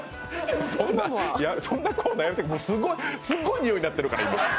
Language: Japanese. そんなコーナーやめて、すごいにおいになってるから、今。